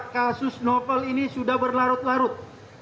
kasus novel ini sudah berlarut larut